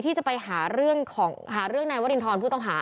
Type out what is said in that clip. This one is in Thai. ที่จะไปหาเรื่องนายวรินทรผู้ต้องหา